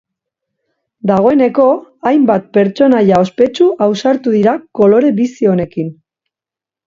Dagoeneko, hainbat pertsonaia ospetsu ausartu dira kolore bizi honekin.